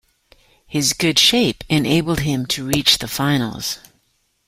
His good shape enabled him to reach the finals.